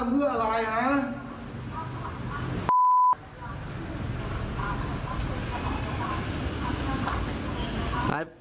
มึงมาไอ้